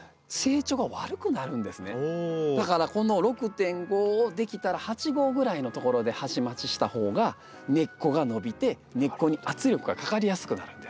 だからこの６．５をできたら８号ぐらいのところで鉢増しした方が根っこが伸びて根っこに圧力がかかりやすくなるんです。